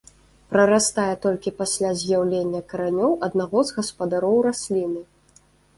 Прарастае толькі пасля з'яўлення каранёў аднаго з гаспадароў расліны.